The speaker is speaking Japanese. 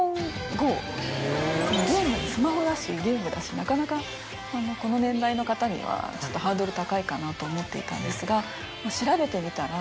ゲームスマホだしゲームだしなかなかこの年代の方にはちょっとハードル高いかなと思っていたんですが調べてみたら。